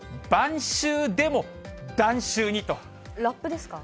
ラップですか？